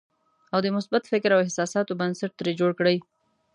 او د مثبت فکر او احساساتو بنسټ ترې جوړ کړئ.